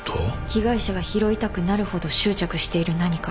被害者が拾いたくなるほど執着している何か。